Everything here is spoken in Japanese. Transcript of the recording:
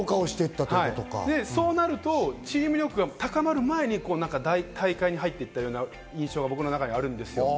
そうするとチーム力が高まる前に大会に入っていった印象が僕にはあるんです。